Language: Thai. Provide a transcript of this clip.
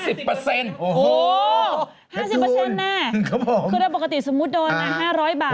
โอ้โฮ๕๐นะครับคุณล้านปกติสมมุติโดนนะ๕๐๐บาท